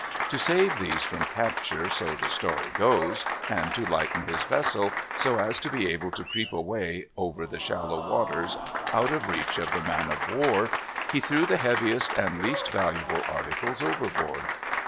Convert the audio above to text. To save these from capture, so the story goes, and to lighten his vessel, so as to be able to creep away over the shallow waters out of reach of the man of war, he threw the heaviest and least valuable articles overboard.